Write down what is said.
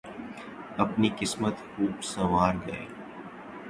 اپنی قسمت خوب سنوار گئے۔